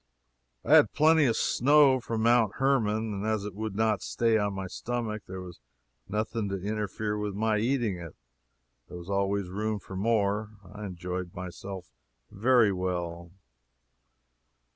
I had plenty of snow from Mount Hermon, and as it would not stay on my stomach, there was nothing to interfere with my eating it there was always room for more. I enjoyed myself very well.